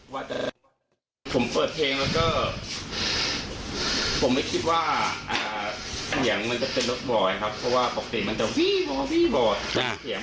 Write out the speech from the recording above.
ภาพชิมศัตริย์เก็บมาถึงไม่ผิดอย่างเขินเอง